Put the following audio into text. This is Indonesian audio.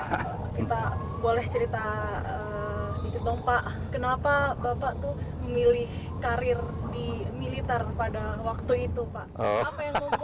kita boleh cerita gitu dong pak kenapa bapak tuh memilih karir di militer pada waktu itu pak